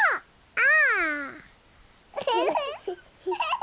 あ！